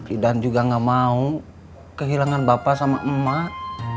idan juga gak mau kehilangan bapak sama emak